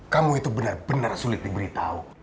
kamu itu benar benar sulit diberitahu